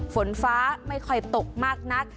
ฝนฟ้าไม่ค่อยตกมากนัก